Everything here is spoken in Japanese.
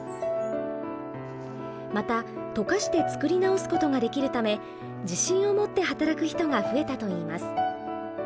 また溶かして作り直すことができるため自信を持って働く人が増えたといいます。